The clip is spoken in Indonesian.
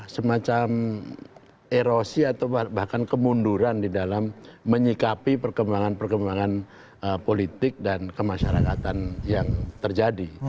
semacam erosi atau bahkan kemunduran di dalam menyikapi perkembangan perkembangan politik dan kemasyarakatan yang terjadi